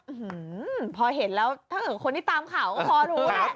อืมพอเห็นแล้วถ้าเกิดคนที่ตามข่าวก็พอรู้แหละ